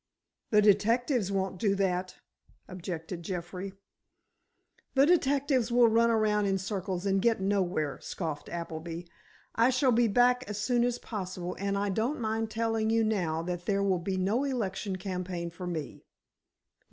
"The detectives won't do that," objected Jeffrey. "The detectives will run round in circles and get nowhere," scoffed Appleby. "I shall be back as soon as possible, and I don't mind telling you now that there will be no election campaign for me."